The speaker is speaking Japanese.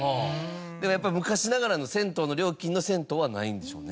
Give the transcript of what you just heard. でもやっぱり昔ながらの銭湯の料金の銭湯はないんでしょうね。